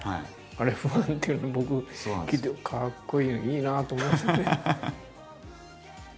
あれファンっていうのを僕聞いてかっこいいいいなと思いましたね。